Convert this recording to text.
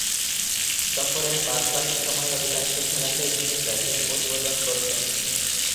সফরের বাদ-বাকী সময়ে অধিকাংশ খেলাতেই তিনি ব্যাটিং উদ্বোধন করতেন।